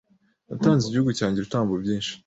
Natanze igihugu cyanjye ibitambo byinshi.